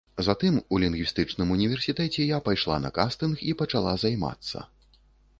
Затым у лінгвістычным універсітэце я пайшла на кастынг і пачала займацца.